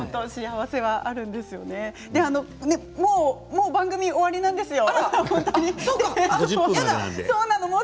もう番組終わりなんですよ。